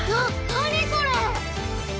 何これ⁉